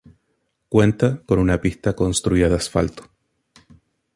Cuenta con una pista Construida de asfalto.